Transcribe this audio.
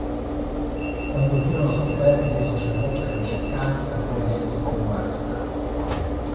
Quando furono scoperti dai sacerdoti francescani, alcuni di essi furono arrestati.